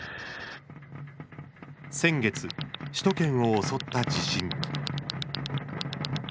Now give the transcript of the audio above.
先月、首都圏を襲った地震。